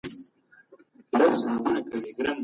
صداقت د شخصیت ښکلا ده.